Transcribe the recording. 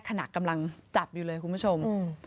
ขณะกำลังจับอยู่เลยคุณผู้ชม